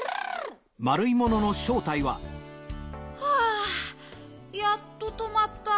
はあやっととまった。